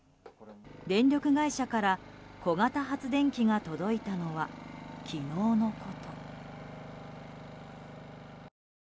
電力会社から、小型発電機が届いたのは昨日のこと。